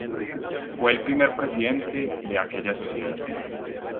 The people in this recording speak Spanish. Fue el primer presidente de aquella sociedad.